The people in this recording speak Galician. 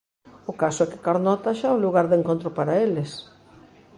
O caso é que Carnota xa é un lugar de encontro para eles.